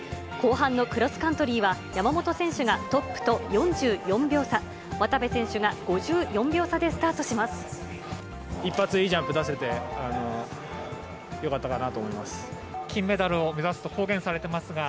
後半のクロスカントリーは、山本選手がトップと４４秒差、渡部選手が５４秒差でスタートします。